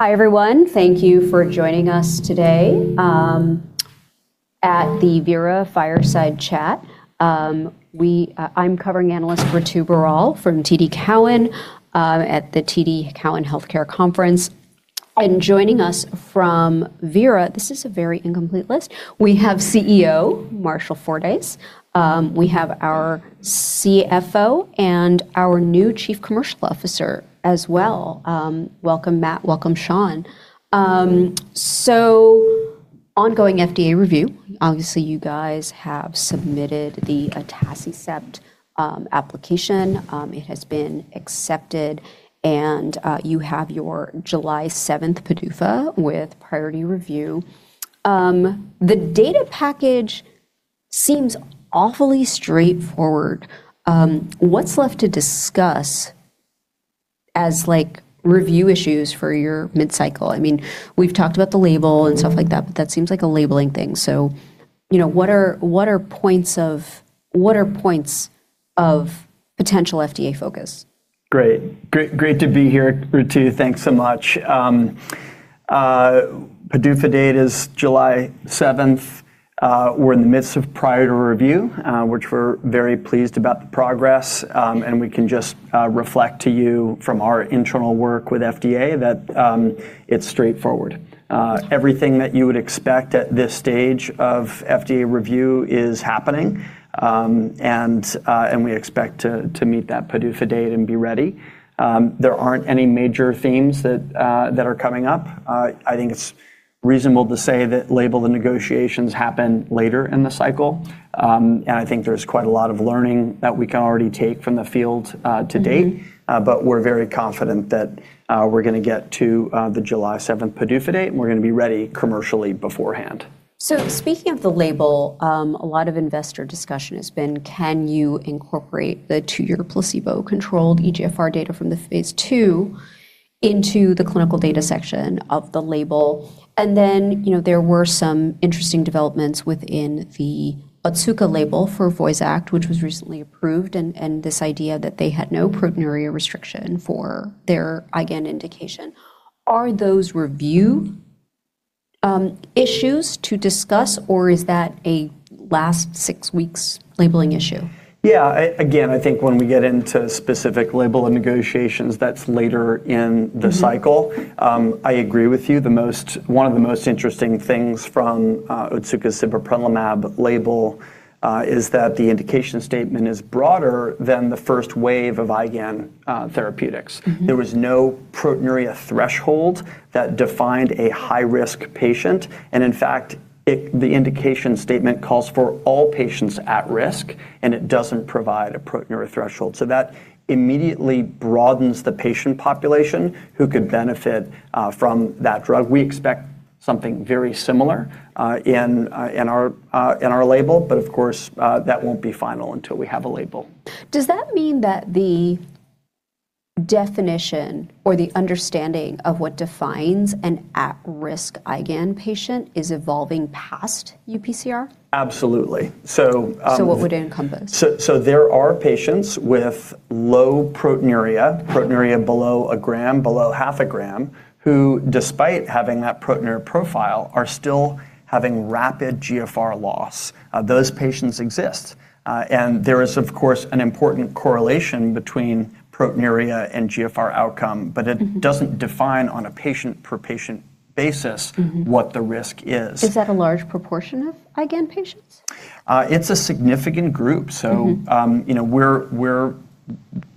Hi, everyone. Thank you for joining us today, at the Vera Therapeutics Fireside Chat. I'm covering analyst Ritu Baral from TD Cowen, at the TD Cowen Healthcare Conference. Joining us from Vera, this is a very incomplete list. We have CEO Marshall Fordyce. We have our CFO and our new chief commercial officer as well. Welcome, Matt. Welcome, Sean. Ongoing FDA review, obviously you guys have submitted the atacicept application. It has been accepted and, you have your July 7th PDUFA with priority review. The data package seems awfully straightforward. What's left to discuss as, like, review issues for your mid-cycle? I mean, we've talked about the label and stuff like that, but that seems like a labeling thing, so, you know, what are points of potential FDA focus? Great. Great to be here, Ritu. Thanks so much. PDUFA date is July seventh. We're in the midst of prior to review, which we're very pleased about the progress. We can just reflect to you from our internal work with FDA that it's straightforward. Everything that you would expect at this stage of FDA review is happening. We expect to meet that PDUFA date and be ready. There aren't any major themes that are coming up. I think it's reasonable to say that label the negotiations happen later in the cycle. I think there's quite a lot of learning that we can already take from the field to date. We're very confident that we're gonna get to the July seventh PDUFA date, and we're gonna be ready commercially beforehand. Speaking of the label, a lot of investor discussion has been can you incorporate the 2-year placebo-controlled eGFR data from the Phase II into the clinical data section of the label? You know, there were some interesting developments within the Otsuka label for Voyxact, which was recently approved and this idea that they had no proteinuria restriction for their IgAN indication. Are those review issues to discuss, or is that a last 6 weeks labeling issue? Yeah. Again, I think when we get into specific label and negotiations, that's later in the cycle. I agree with you. One of the most interesting things from Otsuka's sibeprenlimab label is that the indication statement is broader than the first wave of IgAN therapeutics. There was no proteinuria threshold that defined a high-risk patient, and in fact, the indication statement calls for all patients at risk, and it doesn't provide a proteinuria threshold. That immediately broadens the patient population who could benefit from that drug. We expect something very similar in our label. Of course, that won't be final until we have a label. Does that mean that the definition or the understanding of what defines an at-risk IgAN patient is evolving past UPCR? Absolutely. What would it encompass? There are patients with low proteinuria below a gram, below half a gram, who, despite having that proteinuria profile, are still having rapid GFR loss. Those patients exist. There is, of course, an important correlation between proteinuria and GFR outcome. It doesn't define on a patient-per-patient basis. What the risk is. Is that a large proportion of IgAN patients? it's a significant group. You know,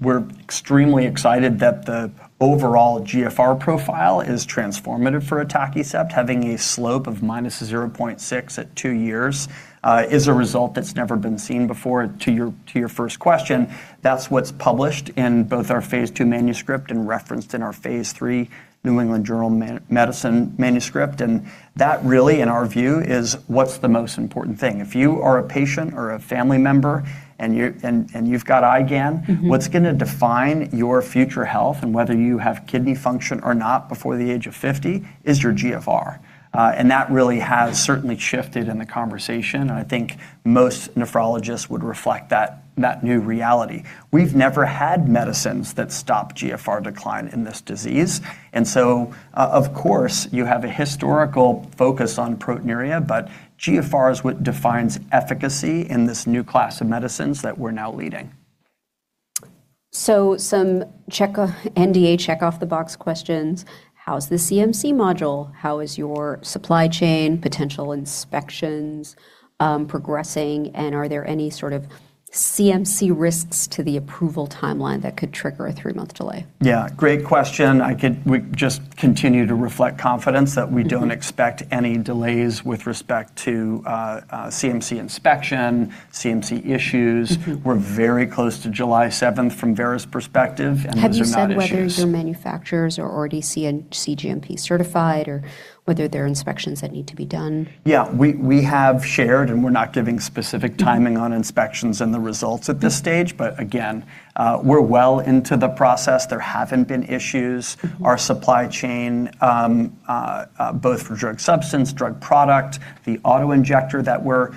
we're extremely excited that the overall GFR profile is transformative for atacicept. Having a slope of minus 0.6 at two years is a result that's never been seen before. To your first question, that's what's published in both our Phase II manuscript and referenced in our Phase III The New England Journal of Medicine manuscript, that really, in our view, is what's the most important thing. If you are a patient or a family member and you've got IgAN. What's gonna define your future health and whether you have kidney function or not before the age of 50 is your GFR. That really has certainly shifted in the conversation. I think most nephrologists would reflect that new reality. We've never had medicines that stop GFR decline in this disease. Of course, you have a historical focus on proteinuria, but GFR is what defines efficacy in this new class of medicines that we're now leading. Some NDA check-off-the-box questions. How's the CMC module? How is your supply chain, potential inspections progressing, and are there any sort of CMC risks to the approval timeline that could trigger a three-month delay? Yeah, great question. We just continue to reflect confidence that we don't expect any delays with respect to CMC inspection, CMC issues. We're very close to July seventh from Vera's perspective, and those are not issues. Have you said whether your manufacturers are already CGMP certified or whether there are inspections that need to be done? Yeah. We have shared, and we're not giving specific timing on inspections and the results at this stage, but again, we're well into the process. There haven't been issues. Our supply chain, both for drug substance, drug product, the auto-injector that we're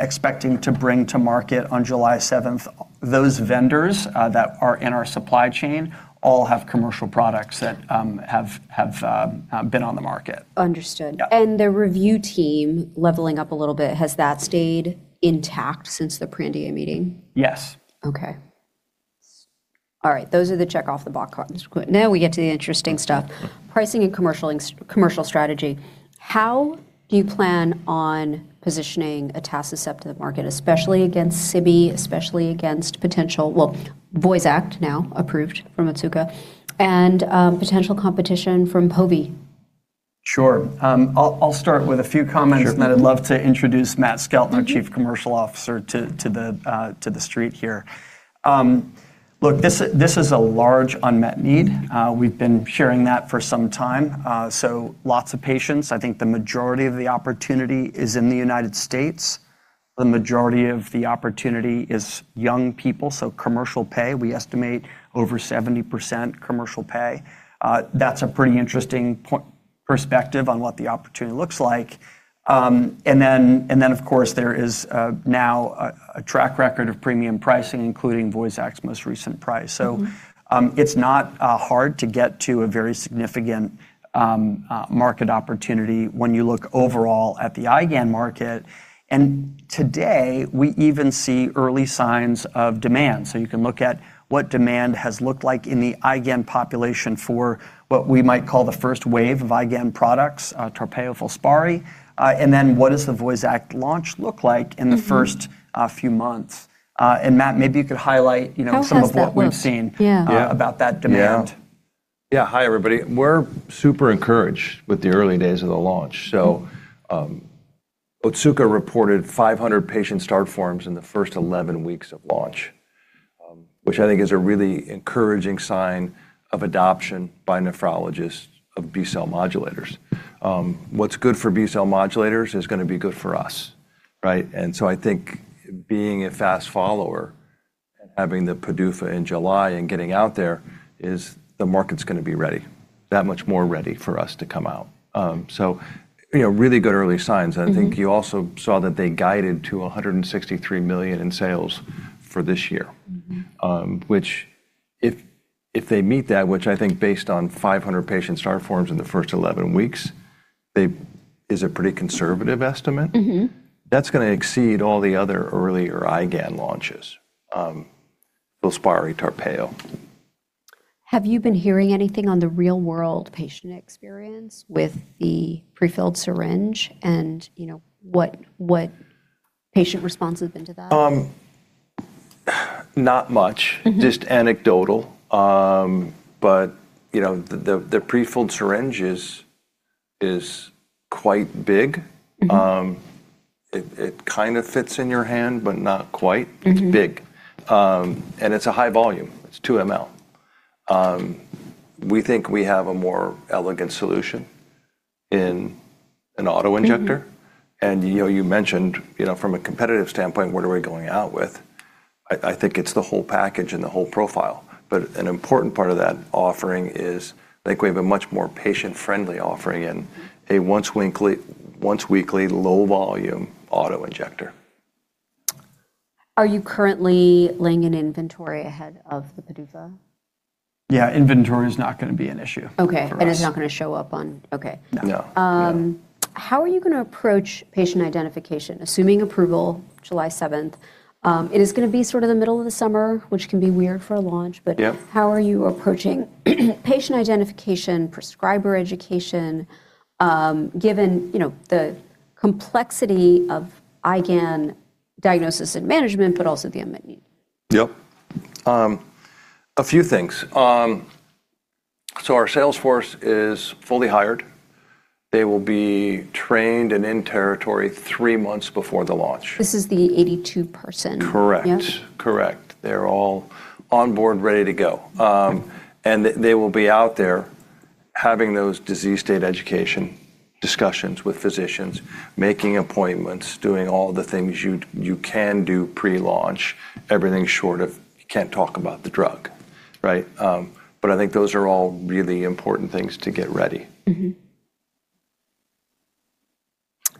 expecting to bring to market on July 7th, those vendors that are in our supply chain all have commercial products that have been on the market. Understood. Yeah. The review team, leveling up a little bit, has that stayed intact since the pre-NDA meeting? Yes. Okay. All right, those are the check off the box items. Good. Now we get to the interesting stuff. Pricing and commercial strategy. How do you plan on positioning atacicept to the market, especially against sibeprenlimab, especially against potential. Well, Voyxact now approved from Otsuka and potential competition from povetacicept? Sure. I'll start with a few comments. Sure. I'd love to introduce Matt Skelton. Chief Commercial Officer to the street here. Look, this is a large unmet need. We've been sharing that for some time, lots of patients. I think the majority of the opportunity is in the United States. The majority of the opportunity is young people, commercial pay. We estimate over 70% commercial pay. That's a pretty interesting perspective on what the opportunity looks like. Of course, there is now a track record of premium pricing, including Voyxact's most recent price. It's not hard to get to a very significant market opportunity when you look overall at the IgAN market. Today, we even see early signs of demand. You can look at what demand has looked like in the IgAN population for what we might call the first wave of IgAN products, Tarpeyo and FILSPARI. Then what does the Voyxact launch look like in the first. A few months? Matt, maybe you could highlight, you know. How fast that was. some of what we've seen. Yeah. Yeah. About that demand. Yeah. Hi, everybody. We're super encouraged with the early days of the launch. Otsuka reported 500 patient start forms in the first 11 weeks of launch, which I think is a really encouraging sign of adoption by nephrologists of B-cell modulators. What's good for B-cell modulators is gonna be good for us, right? I think being a fast follower, having the PDUFA in July and getting out there is the market's gonna be ready, that much more ready for us to come out. You know, really good early signs. I think you also saw that they guided to $163 million in sales for this year. Which if they meet that, which I think based on 500 patient start forms in the first 11 weeks, is a pretty conservative estimate. That's gonna exceed all the other earlier IgAN launches, FILSPARI, Tarpeyo. Have you been hearing anything on the real-world patient experience with the prefilled syringe and, you know, what patient response has been to that? Not much. Just anecdotal. You know, the, the prefilled syringe is quite big. It kind of fits in your hand, but not quite. It's big. It's a high volume. It's 2 ml. We think we have a more elegant solution in an auto-injector. You know, you mentioned, you know, from a competitive standpoint, what are we going out with? I think it's the whole package and the whole profile, but an important part of that offering is I think we have a much more patient-friendly offering. A once weekly low volume auto-injector. Are you currently laying an inventory ahead of the PDUFA? Yeah, inventory is not gonna be an issue. Okay. For us. It's not gonna show up on... Okay. No. No. Yeah. How are you gonna approach patient identification, assuming approval July seventh? It is gonna be sort of the middle of the summer, which can be weird for a launch. Yeah. How are you approaching patient identification, prescriber education, given, you know, the complexity of IgAN diagnosis and management, but also the unmet need? Yep. A few things. Our sales force is fully hired. They will be trained and in territory 3 months before the launch. This is the 82 person. Correct. Yeah. Correct. They're all on board, ready to go. They will be out there having those disease state education discussions with physicians, making appointments, doing all the things you can do pre-launch. Everything short of you can't talk about the drug, right? I think those are all really important things to get ready.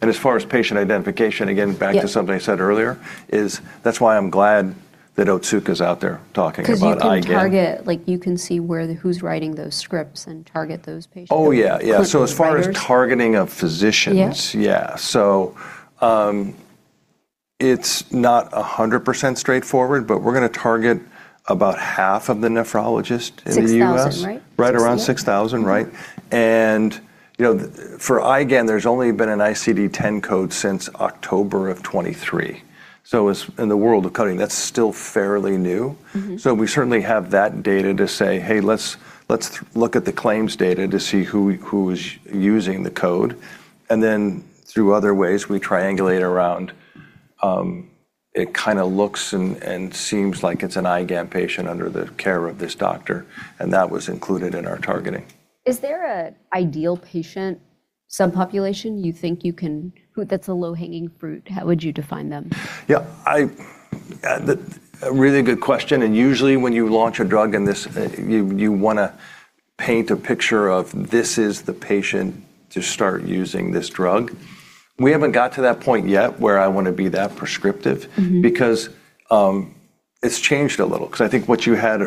As far as patient identification, again. Yeah. Back to something I said earlier, is that's why I'm glad that Otsuka's out there talking about IgAN. Cause you can target Like, you can see who's writing those scripts and target those patients. Oh, yeah. Yeah. Quickly writers. As far as targeting of physicians. Yeah. Yeah. It's not 100% straightforward, but we're gonna target about half of the nephrologists in the U.S. $6,000, right? Right around $6,000. Yeah. Right. You know, for IgAN, there's only been an ICD-10 code since October of 2023. As in the world of coding, that's still fairly new. We certainly have that data to say, "Hey, let's look at the claims data to see who is using the code." Then through other ways, we triangulate around, it kinda looks and seems like it's an IgAN patient under the care of this doctor, and that was included in our targeting. Is there a ideal patient subpopulation you think that's a low-hanging fruit? How would you define them? Yeah, a really good question, and usually when you launch a drug in this, you wanna paint a picture of, "This is the patient to start using this drug." We haven't got to that point yet where I wanna be that prescriptive. It's changed a little, 'cause I think what you had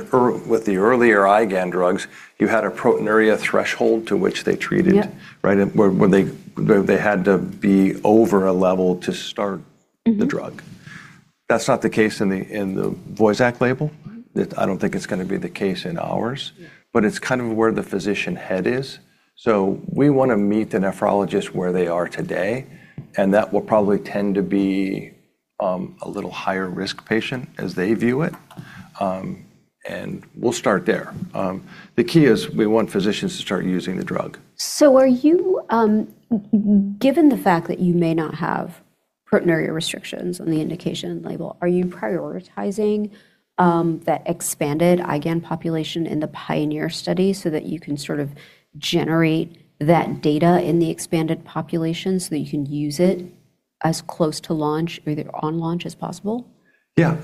with the earlier IgAN drugs, you had a proteinuria threshold to which they treated. Yeah. Right? Where they had to be over a level to start the drug. That's not the case in the Voyxact label. I don't think it's gonna be the case in ours. Yeah. It's kind of where the physician head is. We wanna meet the nephrologist where they are today, and that will probably tend to be a little higher risk patient as they view it. We'll start there. The key is we want physicians to start using the drug. Are you given the fact that you may not have proteinuria restrictions on the indication label, are you prioritizing the expanded IgAN population in the PIONEER study so that you can sort of generate that data in the expanded population so that you can use it as close to launch or either on launch as possible? Yeah.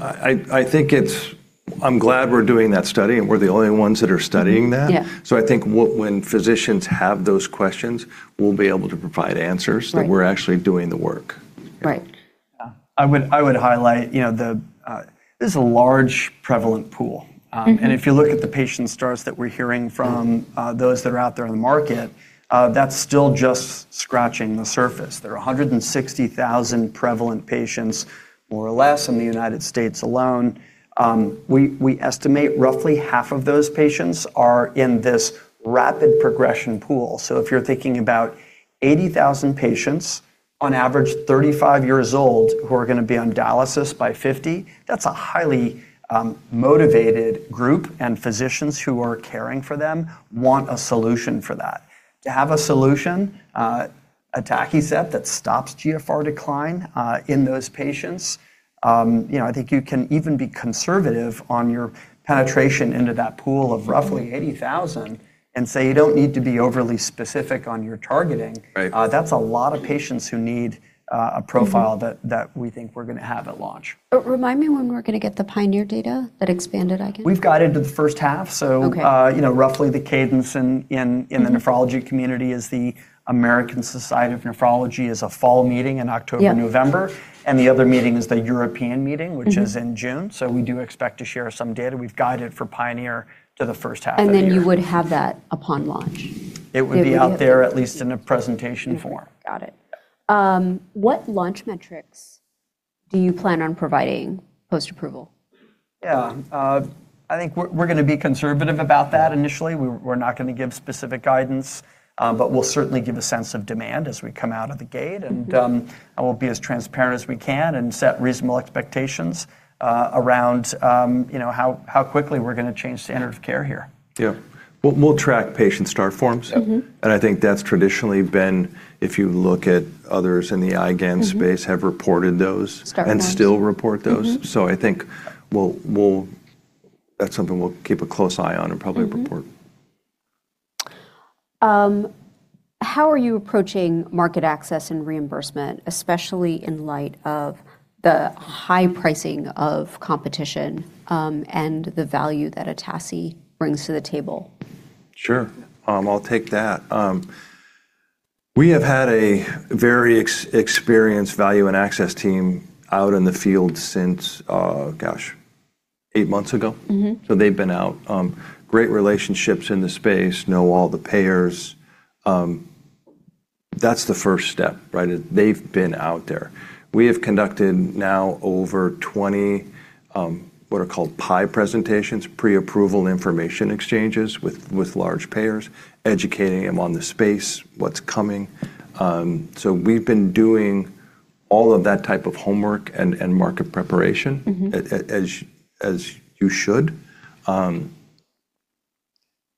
I'm glad we're doing that study. We're the only ones that are studying that. Yeah. I think when physicians have those questions, we'll be able to provide answers. Right that we're actually doing the work. Right. Yeah. I would highlight, you know, this is a large prevalent pool. If you look at the patient starts that we're hearing from, those that are out there in the market, that's still just scratching the surface. There are 160,000 prevalent patients, more or less, in the United States alone. We estimate roughly half of those patients are in this rapid progression pool. If you're thinking about 80,000 patients on average 35 years old who are gonna be on dialysis by 50, that's a highly motivated group, and physicians who are caring for them want a solution for that. To have a solution, atacicept that stops GFR decline in those patients, you know, I think you can even be conservative on your penetration into that pool of roughly 80,000 and say you don't need to be overly specific on your targeting. Right. That's a lot of patients who need a profile that we think we're gonna have at launch. Remind me when we're gonna get the PIONEER data that expanded IgAN. We've guided to the first half. Okay You know, roughly the cadence. The nephrology community is the American Society of Nephrology is a fall meeting in October, November. Yep. The other meeting is the European meeting. Which is in June. We do expect to share some data. We've guided for PIONEER to the first half of the year. You would have that upon launch? It would be out there at least in a presentation form. Got it. What launch metrics do you plan on providing post-approval? Yeah. I think we're gonna be conservative about that initially. We're not gonna give specific guidance, but we'll certainly give a sense of demand as we come out of the gate. We'll be as transparent as we can and set reasonable expectations, around, you know, how quickly we're gonna change standard of care here. Yeah. We'll track patient start forms. I think that's traditionally been, if you look at others in the IgAN space have reported those- Start forms... and still report those. That's something we'll keep a close eye on and probably report. How are you approaching market access and reimbursement, especially in light of the high pricing of competition, and the value that atacicept brings to the table? Sure. I'll take that. We have had a very experienced value and access team out in the field since, gosh, eight months ago. They've been out. Great relationships in the space, know all the payers. That's the first step, right? They've been out there. We have conducted now over 20, what are called PIE presentations, Pre-Approval Information Exchanges, with large payers, educating them on the space, what's coming. We've been doing all of that type of homework and market preparation. As you should.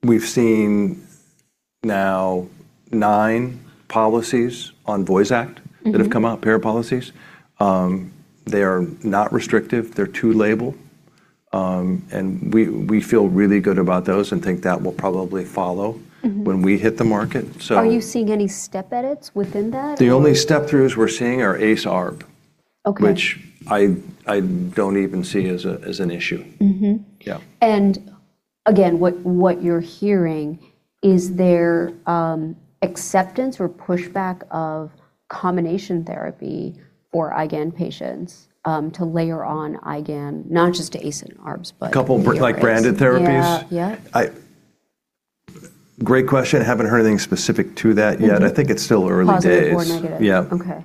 We've seen now 9 policies on Voyxact that have come out, payer policies. They are not restrictive. They're to label. We feel really good about those and think that will probably. When we hit the market. Are you seeing any step edits within that? The only step throughs we're seeing are ACE/ARB. Okay. Which I don't even see as a, as an issue. Yeah. Again, what you're hearing, is there, acceptance or pushback of combination therapy for IgAN patients, to layer on IgAN, not just ACE and ARBs, but. Couple like branded therapies? Yeah. Yeah. Great question. Haven't heard anything specific to that yet. I think it's still early days. Positive or negative? Yeah. Okay.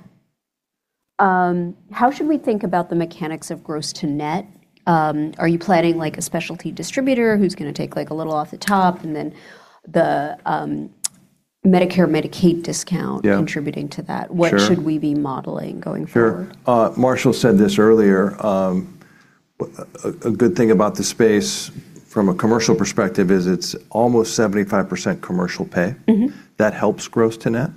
How should we think about the mechanics of gross to net? Are you planning like a specialty distributor who's gonna take like a little off the top and then the Medicare/Medicaid discount contributing to that? Sure. What should we be modeling going forward? Sure. Marshall said this earlier. A good thing about the space from a commercial perspective is it's almost 75% commercial pay. That helps gross to net.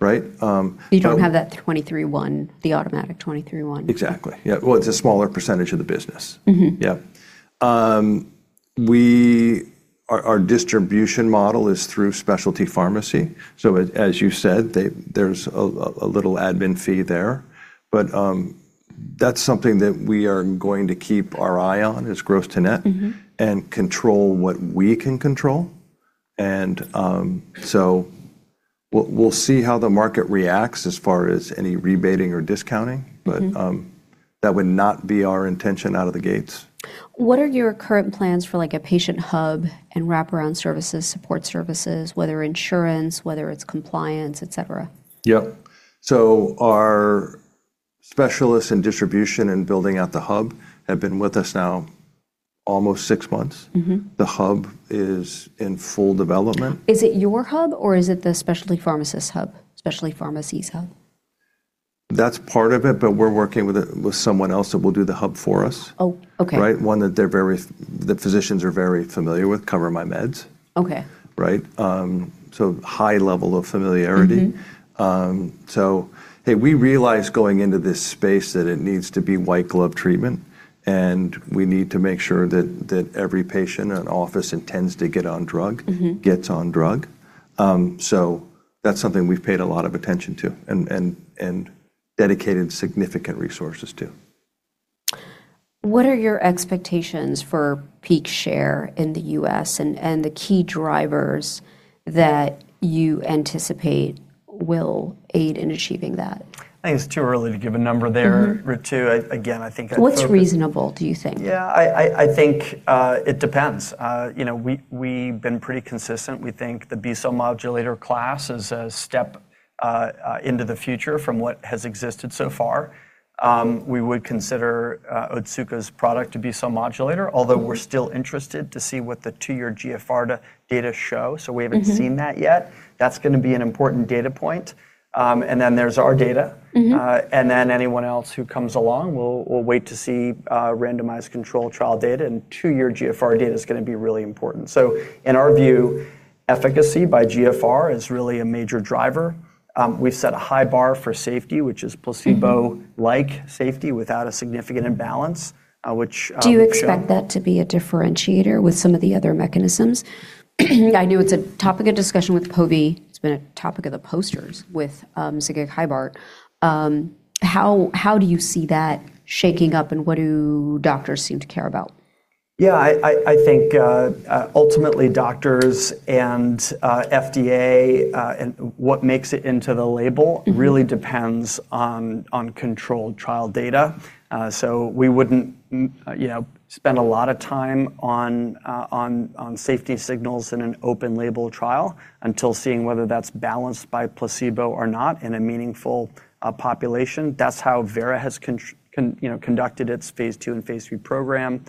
Right? You don't have that 23 1, the automatic 23 1. Exactly. Yeah. Well, it's a smaller percentage of the business. Yeah. Our distribution model is through specialty pharmacy, so as you said, there's a little admin fee there. That's something that we are going to keep our eye on is gross to net. And control what we can control. We'll see how the market reacts as far as any rebating or discounting. That would not be our intention out of the gates. What are your current plans for like a patient hub and wraparound services, support services, whether insurance, whether it's compliance, et cetera? Yep. Our specialists in distribution and building out the hub have been with us now almost six months. The hub is in full development. Is it your hub or is it the specialty pharmacist hub, specialty pharmacies hub? That's part of it, but we're working with someone else that will do the hub for us. Oh, okay. Right? One that they're that physicians are very familiar with, CoverMyMeds. Okay. Right? High level of familiarity. Hey, we realize going into this space that it needs to be white glove treatment, and we need to make sure that every patient in office intends to get on drug. Gets on drug. That's something we've paid a lot of attention to and dedicated significant resources to. What are your expectations for peak share in the U.S. and the key drivers that you anticipate will aid in achieving that? I think it's too early to give a number there. Ritu. again, I think- What's reasonable, do you think? Yeah. I think it depends. You know, we've been pretty consistent. We think the B-cell modulator class is a step into the future from what has existed so far. We would consider Otsuka's product to be solo modulator although we're still interested to see what the two-year GFR data show. We haven't seen that yet. That's gonna be an important data point. Then there's our data. Anyone else who comes along. We'll wait to see randomized control trial data, and two-year GFR data is gonna be really important. In our view, efficacy by GFR is really a major driver. We set a high bar for safety, which is placebo like safety without a significant imbalance, which. Do you expect that to be a differentiator with some of the other mechanisms? I know it's a topic of discussion with povetacicept. It's been a topic of the posters with zigakibart. How do you see that shaking up, and what do doctors seem to care about? I think ultimately doctors and FDA and what makes it into the label. Really depends on controlled trial data. We wouldn't, you know, spend a lot of time on safety signals in an open label trial until seeing whether that's balanced by placebo or not in a meaningful population. That's how Vera has, you know, conducted its Phase II and Phase III program.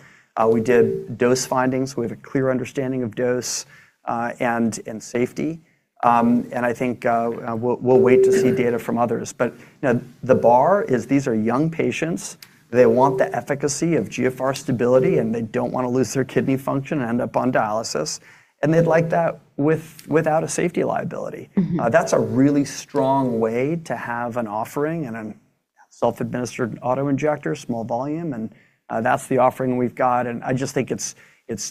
We did dose findings. We have a clear understanding of dose and safety. I think we'll wait to see data from others. You know, the bar is these are young patients. They want the efficacy of GFR stability, and they don't wanna lose their kidney function and end up on dialysis, and they'd like that without a safety liability. That's a really strong way to have an offering and a self-administered auto-injector, small volume, and that's the offering we've got. I just think it's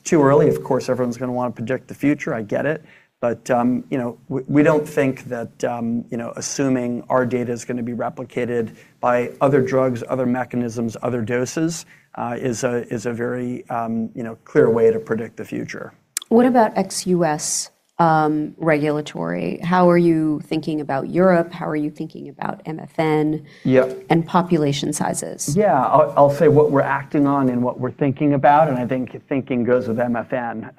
too early. Of course, everyone's gonna wanna predict the future. I get it. You know, we don't think that, you know, assuming our data is gonna be replicated by other drugs, other mechanisms, other doses, is a very, you know, clear way to predict the future. What about ex U.S. regulatory? How are you thinking about Europe? How are you thinking about MFN? Yep And population sizes? Yeah. I'll say what we're acting on and what we're thinking about. I think thinking goes with MFN.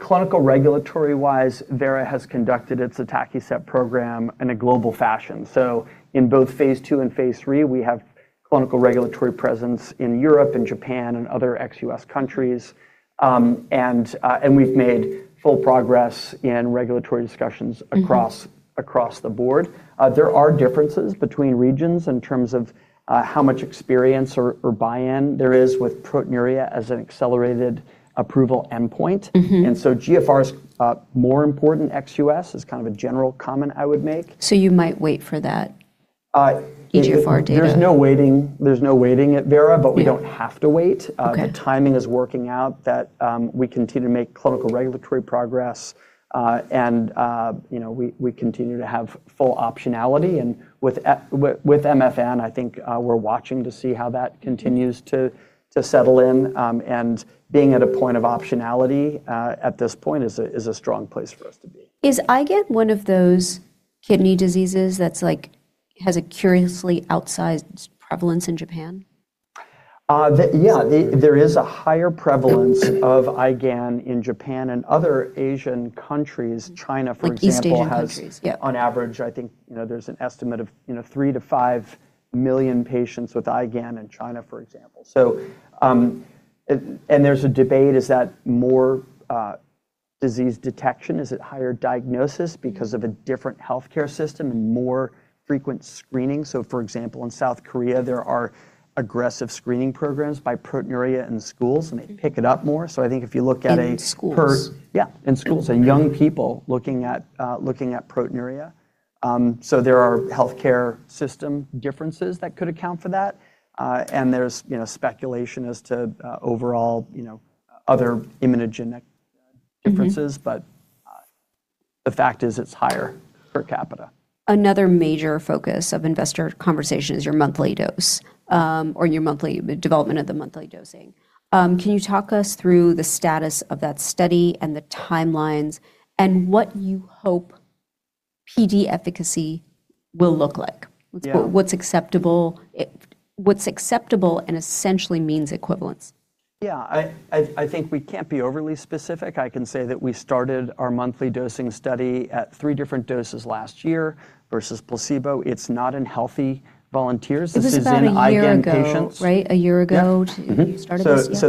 Clinical regulatory-wise, Vera has conducted its atacicept program in a global fashion. In both Phase II and Phase III, we have clinical regulatory presence in Europe, in Japan, and other ex US countries. We've made full progress in regulatory discussions. Across the board. There are differences between regions in terms of how much experience or buy-in there is with proteinuria as an accelerated approval endpoint. GFR is more important ex U.S., is kind of a general comment I would make. You might wait for that. GFR data. There's no waiting at Vera. Yeah But we don't have to wait. Okay. The timing is working out that we continue to make clinical regulatory progress, you know, we continue to have full optionality. With MFN, I think we're watching to see how that continues to settle in. Being at a point of optionality at this point is a strong place for us to be. Is IgAN one of those kidney diseases that's like has a curiously outsized prevalence in Japan? Yeah. There is a higher prevalence of IgAN in Japan and other Asian countries. China, for example... Like East Asian countries. Yep On average, I think, you know, there's an estimate of, you know, 3 million-5 million patients with IgAN in China, for example. And there's a debate, is that more disease detection? Is it higher diagnosis because of a different healthcare system and more frequent screening? For example, in South Korea, there are aggressive screening programs by proteinuria in schools, and they pick it up more. I think if you look at. In schools? Yeah, in schools. Young people looking at proteinuria. There are healthcare system differences that could account for that. There's, you know, speculation as to overall, you know, other immunogenic differences. The fact is it's higher per capita. Another major focus of investor conversation is your monthly dose, or the development of the monthly dosing. Can you talk us through the status of that study and the timelines and what you hope PD efficacy will look like? Yeah. What's acceptable and essentially means equivalence. Yeah. I think we can't be overly specific. I can say that we started our monthly dosing study at three different doses last year versus placebo. It's not in healthy volunteers. This is in IgAN patients. This is about a year ago, right? Yeah. To you started this? Yeah.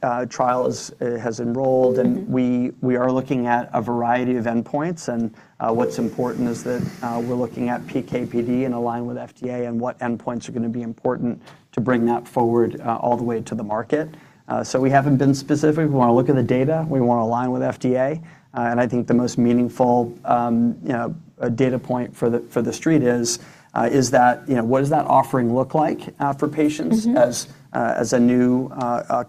That trial is, has enrolled. And we are looking at a variety of endpoints and what's important is that we're looking at PK/PD and align with FDA and what endpoints are gonna be important to bring that forward all the way to the market. So we haven't been specific. We wanna look at the data. We wanna align with FDA. And I think the most meaningful, you know, data point for the street is that, you know, what does that offering look like for patients as a new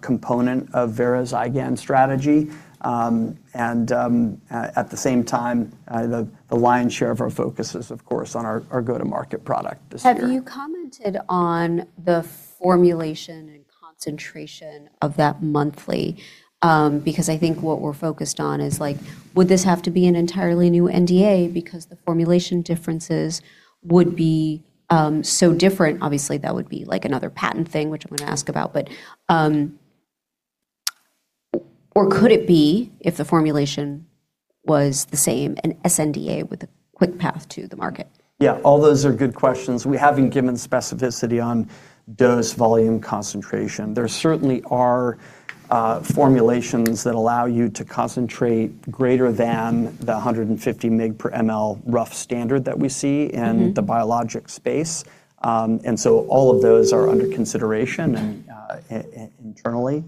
component of Vera's IgAN strategy. At the same time, the lion's share of our focus is, of course, on our go-to-market product this year. Have you commented on the formulation and concentration of that monthly? I think what we're focused on is, like, would this have to be an entirely new NDA because the formulation differences would be so different? Obviously, that would be, like, another patent thing, which I'm gonna ask about. Or could it be, if the formulation was the same, an sNDA with a quick path to the market? Yeah, all those are good questions. We haven't given specificity on dose-volume concentration. There certainly are formulations that allow you to concentrate greater than the 150 mg per ml rough standard that we see. In the biologic space. All of those are under consideration and, internally.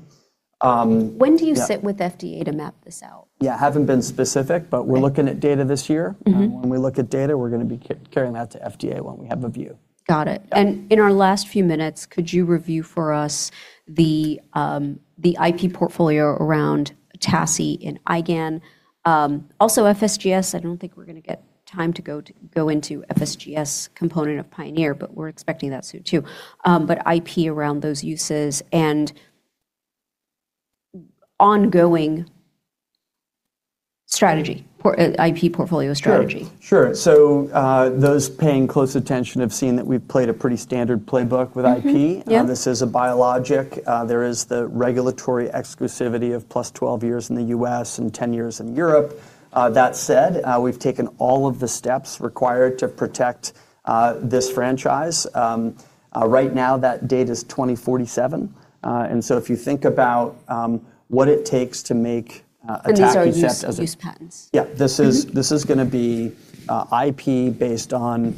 When do you- Yeah sit with FDA to map this out? Yeah, haven't been specific, but we're looking at data this year. When we look at data, we're gonna be carrying that to FDA when we have a view. Got it. Yeah. In our last few minutes, could you review for us the IP portfolio around atacicept and IgAN? Also FSGS, I don't think we're gonna get time to go into FSGS component of PIONEER, but we're expecting that soon too. IP around those uses and ongoing strategy IP portfolio strategy. Sure. Sure. Those paying close attention have seen that we've played a pretty standard playbook with IP. Yep. This is a biologic. There is the regulatory exclusivity of +12 years in the U.S. and 10 years in Europe. That said, we've taken all of the steps required to protect this franchise. Right now, that date is 2047. If you think about what it takes to make TACI- These are use patents? Yeah. This is gonna be IP based on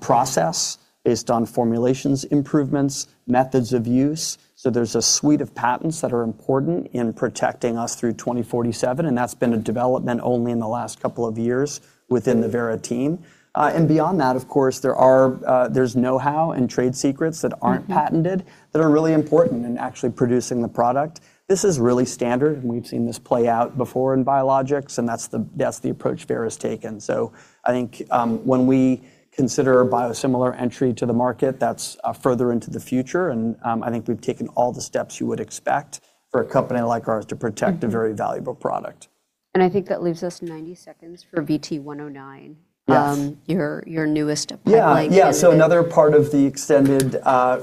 process, based on formulations improvements, methods of use. There's a suite of patents that are important in protecting us through 2047, and that's been a development only in the last couple of years within the Vera team. And beyond that, of course, there are, there's know-how and trade secrets. Patented that are really important in actually producing the product. This is really standard, and we've seen this play out before in biologics, and that's the approach Vera's taken. I think, when we consider a biosimilar entry to the market, that's further into the future, and I think we've taken all the steps you would expect for a company like ours to protect. a very valuable product. I think that leaves us 90 seconds for VT109. Yes. Your newest pipeline candidate. Yeah. Yeah. Another part of the extended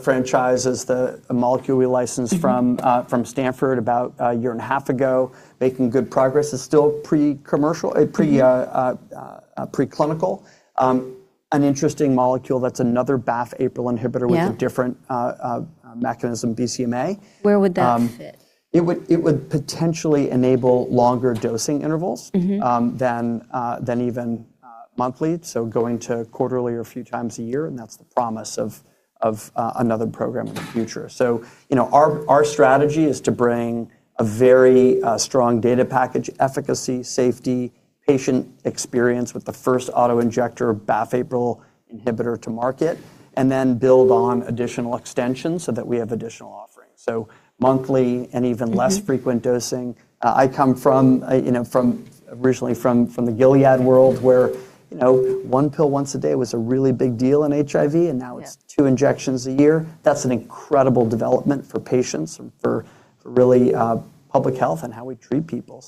franchise is the molecule we licensed. From Stanford about a year and a half ago, making good progress. It's still pre-commercial... pre-clinical. An interesting molecule that's another BAFF/APRIL inhibitor. Yeah With a different mechanism BCMA. Where would that fit? It would potentially enable longer dosing intervals. Than even monthly. Going to quarterly or a few times a year, and that's the promise of another program in the future. You know, our strategy is to bring a very strong data package efficacy, safety, patient experience with the first auto-injector BAFF/APRIL inhibitor to market, and then build on additional extensions so that we have additional offerings. Monthly and even less frequent dosing. I come from, you know, from originally from the Gilead world, where, you know, one pill once a day was a really big deal in HIV. Yeah 2 injections a year. That's an incredible development for patients and for really public health and how we treat people.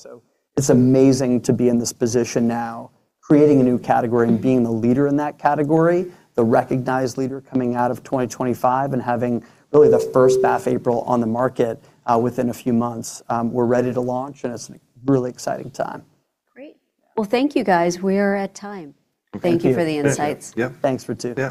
It's amazing to be in this position now, creating a new category. Being the leader in that category, the recognized leader coming out of 2025 and having really the first BAFF/APRIL on the market, within a few months. We're ready to launch, and it's a really exciting time. Great. Well, thank you, guys. We are at time. Okay. Thank you for the insights. Appreciate it. Yep. Thanks, Ritu.